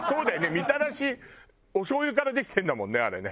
みたらしおしょうゆからできてるんだもんねあれね。